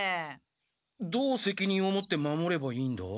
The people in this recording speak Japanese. どう責任を持って守ればいいんだ？